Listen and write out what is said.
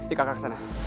iya kakak kesana